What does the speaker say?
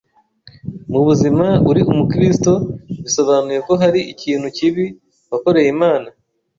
mu buzima uri umukristo bisob anuye ko hari ikintu kibi wakoreye Imana.